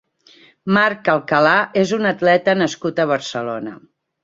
Marc Alcalà és un atleta nascut a Barcelona.